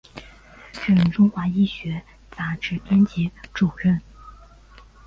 任中华医学杂志编辑主任。